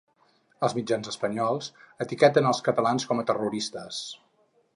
Els mitjans espanyols etiqueten els catalans com a terroristes.